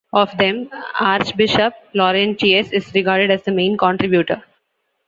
Of them, Archbishop Laurentius is regarded as the main contributor.